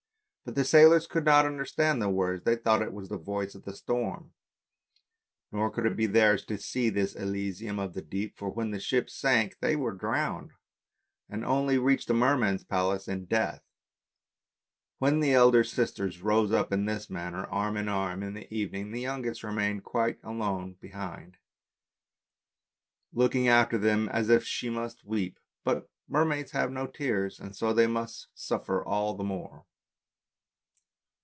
But the sailors could not understand the words, they thought it was the voice of the storm ; nor could it be theirs to see this Elysium of the deep, for when the ship sank they were drowned, and only reached the Merman's palace in death. When the elder sisters rose up in this manner, arm in arm, in the evening, the youngest remained behind quite alone, looking after them as if she must weep, but mermaids have no tears and so they suffer all the more.